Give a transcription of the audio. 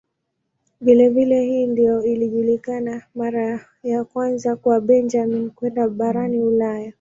Vilevile hii ndiyo ilikuwa mara ya kwanza kwa Benjamin kwenda barani Ulaya.